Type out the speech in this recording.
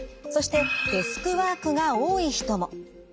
そしてデスクワークが多い人も。